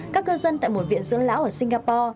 các cư dân tại một viện dưỡng lão ở singapore